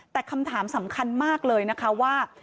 แต่คำถามสำคัญมากเลยนะคะว่า